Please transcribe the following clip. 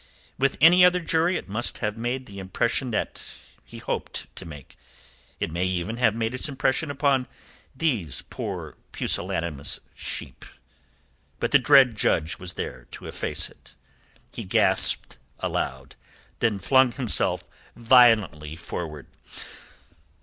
With any other jury it must have made the impression that he hoped to make. It may even have made its impression upon these poor pusillanimous sheep. But the dread judge was there to efface it. He gasped aloud, then flung himself violently forward.